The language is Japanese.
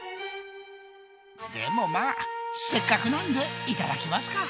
でもまあせっかくなんでいただきますか。